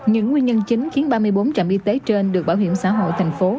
những nguyên nhân chính khiến ba mươi bốn trạm y tế trên được bảo hiểm xã hội tp hcm